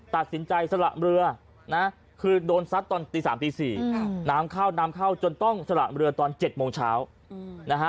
ตัดสินใจสละเรือนะคือโดนซัดตอนตี๓ตี๔น้ำเข้าน้ำเข้าจนต้องสละเรือตอน๗โมงเช้านะฮะ